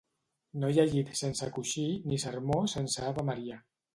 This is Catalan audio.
No hi ha llit sense coixí, ni sermó sense Ave Maria.